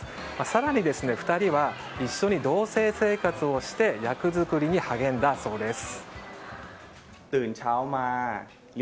更に２人は一緒に同棲生活をして役作りに励んだそうです。